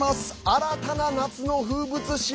新たな夏の風物詩